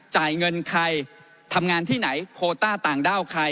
จ่ายเงินใครทำงานที่ไหนโคต้าต่างด้าวใคร